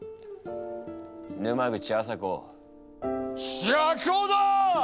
沼口麻子釈放だ！